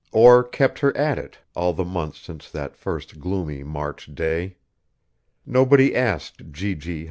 or kept her at it all the months since that first gloomy March day. Nobody asked G.G.